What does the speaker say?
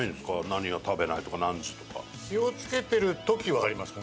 「何は食べない」とか「何時」とか。